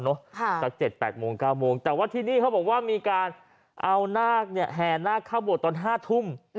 จาก๗๘โมง๙โมงแต่ว่าที่นี้เขาบอกว่ามีการแห่หน้าเข้าโบสถ์ตอน๕ทุ่ม